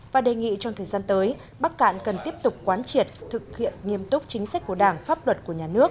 và đề nghị trong thời gian tới bắc cạn cần tiếp tục quán triệt thực hiện nghiêm túc chính sách của đảng pháp luật của nhà nước